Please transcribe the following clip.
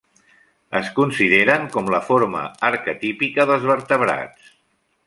Es consideren com la forma arquetípica dels vertebrats.